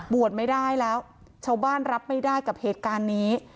ไม่ได้แล้วชาวบ้านรับไม่ได้กับเหตุการณ์นี้